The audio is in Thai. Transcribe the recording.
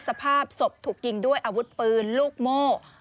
สภาพศพถูกยิงด้วยอาวุธปืนลูกโม่